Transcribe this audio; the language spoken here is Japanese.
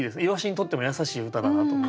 鰯にとっても優しい歌だなと。